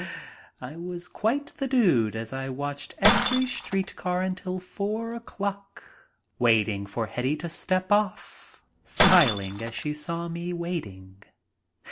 I was quite the dude as I watched every street car until four o'clock, waiting for Hetty to step off, smiling as she saw me waiting.